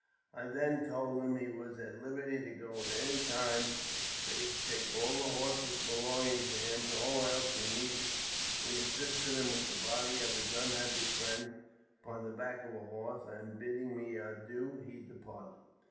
I then told him he was at liberty to go at any time ; that ha could take all the horses belonging to him, and all else that hej needed. We assisted him with the body of his unhappy friend upon the back of a horse, and, bidding me adieu, he departed.